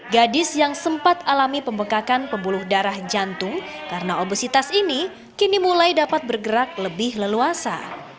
gadis yang sempat alami pembekakan pembuluh darah jantung karena obesitas ini kini mulai dapat bergerak lebih leluasa